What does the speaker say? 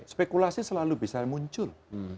spekulasi selalu bisa muncul